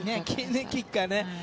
キッカーね。